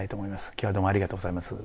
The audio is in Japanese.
今日はどうもありがとうございます。